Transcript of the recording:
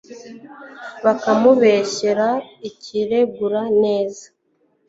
bakamubeshyera akiregura neza